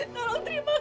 tolong terima kasih